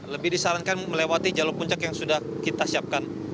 lebih disarankan melewati jalur puncak yang sudah kita siapkan